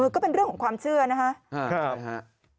ก็เป็นเรื่องของความเชื่อนะครับ